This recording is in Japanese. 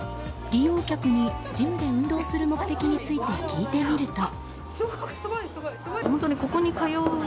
利用客にジムで運動する目的について聞いてみると。